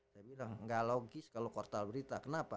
tidak logis kalau portal berita kenapa